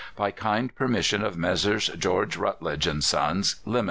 By kind permission of Messrs. George Routledge and Sons, Ltd.